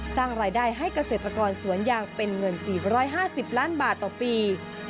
สร้างรายได้ให้เกษตรกรสวนยางเป็นเงิน๔๕๐ล้านบาทต่อปี